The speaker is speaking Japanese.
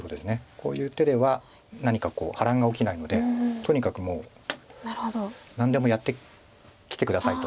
こういう手では何か波乱が起きないので「とにかくもう何でもやってきて下さい」と。